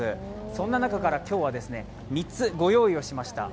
そんな中から今日は３つご用意をしました。